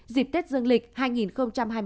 dịp tết dương lịch hai nghìn hai mươi hai